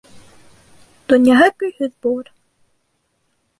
Донъяһы көйһөҙ булыр.